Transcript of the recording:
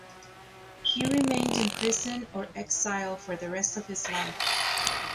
He remained in prison or exile for the rest of his life.